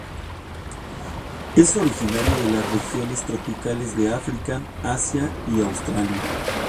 Es originario de las regiones tropicales de África, Asia y Australia.